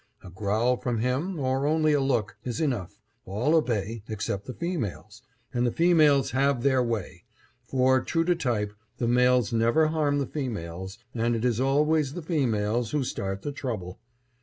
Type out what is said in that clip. A growl from him, or only a look, is enough, all obey, except the females, and the females have their way, for, true to type, the males never harm the females, and it is always the females who start the trouble.